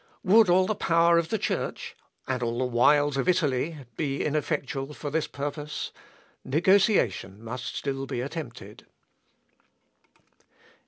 "Would all the power of the Church, and all the wiles of Italy, be ineffectual for this purpose? Negotiation must still be attempted."